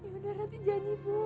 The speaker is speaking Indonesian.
ya udah rati janji bu